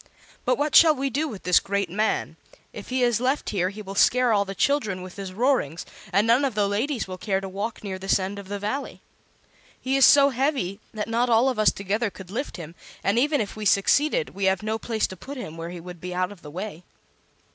But what shall we do with this great man? If he is left here he will scare all the children with his roarings, and none of the ladies will care to walk near this end of the Valley. He is so heavy that not all of us together could lift him, and even if we succeeded we have no place to put him where he would be out of the way."